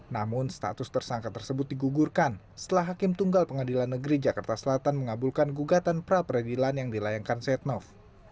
namun status tersangka tersebut digugurkan setelah hakim tunggal pengadilan negeri jakarta selatan mengabulkan gugatan pra peradilan yang dilayangkan setnov